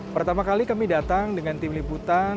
pertama kali kami datang dengan tim liputan